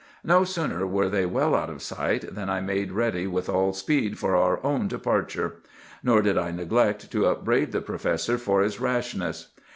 "No sooner were they well out of sight than I made ready with all speed for our own departure; nor did I neglect to upbraid the professor for his rashness.